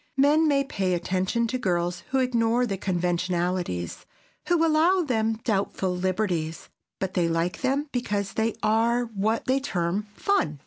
Men may pay attention to girls who ignore the conventionalities, who allow them doubtful liberties, but they like them because they are what they term "fun."